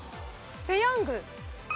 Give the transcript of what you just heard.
ペヤング。